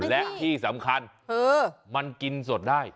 และที่สำคัญคือมันกินสดได้